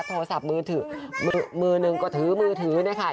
โทรศัพท์มือถือมือหนึ่งก็ถือมือถือเนี่ยค่ะ